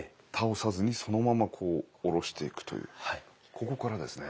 ここからですね。